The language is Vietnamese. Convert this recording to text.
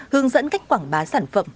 hướng dẫn cách quảng bá sản phẩm